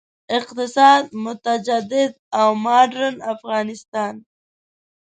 اقتصاد، متجدد او مډرن افغانستان.